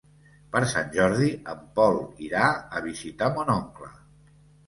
Per Sant Jordi en Pol irà a visitar mon oncle.